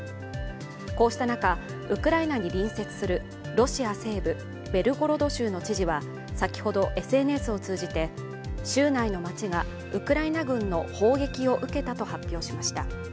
こうした中、ウクライナに隣接するロシア西部ベルゴロド州の知事は先ほどＳＮＳを通じて、州内の町がウクライナ軍の砲撃を受けたと発表しました。